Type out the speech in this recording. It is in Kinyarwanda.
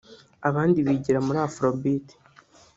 abandi bigira muri Afro Beat